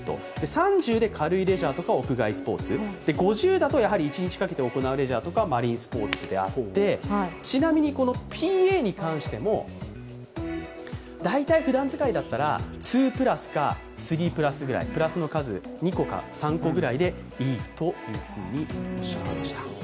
３０で軽いレジャーとか屋外スポーツ、５０だと一日かけて行うレジャーとかマリンスポーツであって、ちなみにＰＡに関しても、大体、ふだん使いだったら＋＋か＋＋＋ぐらい、２個か３個ぐらいでいいとおっしゃっていました。